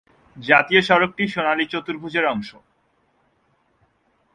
জাতীয় সড়কটি সোনালী চতুর্ভূজ এর অংশ।